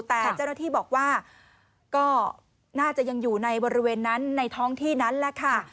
แต่เจ้าหน้าที่บอกว่าก็น่าจะยังอยู่ในบริเวณนั้นในท้องที่นั้นแหละค่ะ